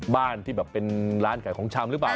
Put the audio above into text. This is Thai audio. บ้านที่แบบเป็นร้านขายของชำหรือเปล่า